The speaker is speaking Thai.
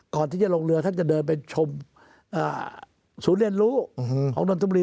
ก่อนที่จะลงเรือท่านจะเดินไปชมศูนย์เรียนรู้ของนนทบุรี